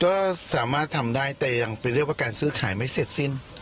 ก็สามารถทำได้แต่ยังไปเรียกว่าการซื้อขายไม่เสร็จสิ้น